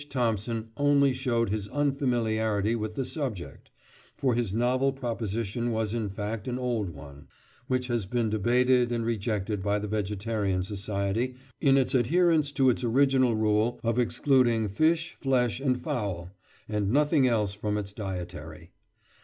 Thompson only showed his unfamiliarity with the subject, for his novel proposition was in fact an old one, which has been debated and rejected by the Vegetarian Society in its adherence to its original rule of excluding fish, flesh, and fowl, and nothing else, from its dietary.